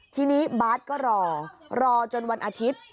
ทีนี้บาร์ดก็รอรอจนวันอาทิตย์